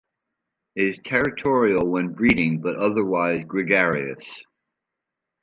It is territorial when breeding, but otherwise gregarious.